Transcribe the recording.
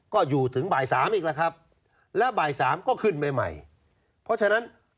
ก็อยู่ถึงบ่ายสามอีกแล้วครับแล้วบ่ายสามก็ขึ้นใหม่ใหม่เพราะฉะนั้น